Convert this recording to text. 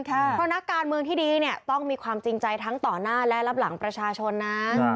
เพราะนักการเมืองที่ดีเนี่ยต้องมีความจริงใจทั้งต่อหน้าและรับหลังประชาชนนะ